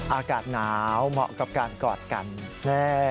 อากาศหนาวเหมาะกับการกอดกันแน่